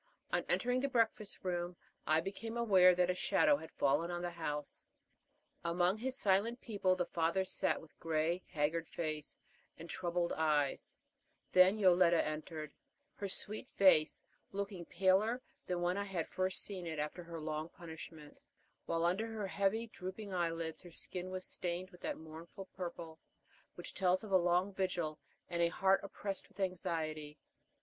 On entering the breakfast room I became aware that a shadow had fallen on the house. Among his silent people the father sat with gray, haggard face and troubled eyes; then Yoletta entered, her sweet face looking paler than when I had first seen it after her long punishment, while under her heavy, drooping eyelids her skin was stained with that mournful purple which tells of a long vigil and a heart oppressed with anxiety.